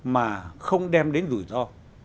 mà không đem đến rủi ro